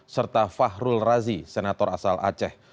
serta fahrul razi senator asal aceh